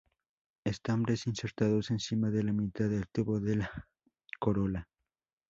Estambres insertados encima de la mitad del tubo de la corola.